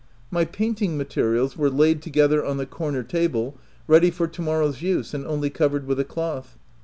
My painting materials were laid together on the corner table, ready for to morrow's use, and only covered with a cloth.